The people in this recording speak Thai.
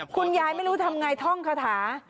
ก็ทำไงท่องคาถา